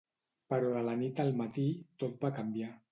Però de la nit al matí tot va canviar.